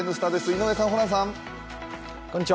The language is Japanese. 井上さん、ホランさん。